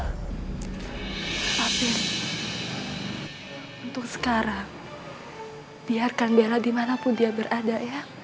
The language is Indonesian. tapi untuk sekarang biarkan bella dimanapun dia berada ya